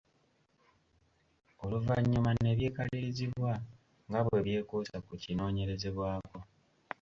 Oluvanyuma ne byekalirizibwa nga bwe byekuusa ku kinoonyerezebwako.